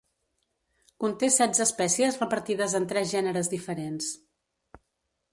Conté setze espècies repartides en tres gèneres diferents.